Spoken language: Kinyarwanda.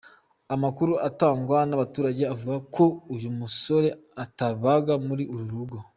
Amakuru atangwa n’ abaturage avuga ko uyu musore atabaga muri uru rugo.